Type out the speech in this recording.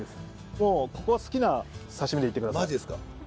もうここは好きな刺身でいって下さい。